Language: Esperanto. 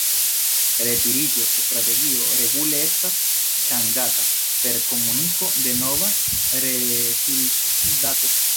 Retiriĝo-strategio regule estas ŝanĝata per komuniko de nova retiriĝdato.